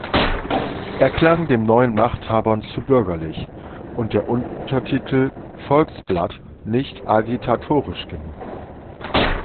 Er klang den neuen Machthabern zu bürgerlich, und der Untertitel Volksblatt nicht agitatorisch genug.